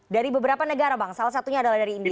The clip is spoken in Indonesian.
dari beberapa negara bang salah satunya adalah dari india